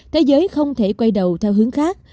thế giới không thể quay đầu theo hướng khác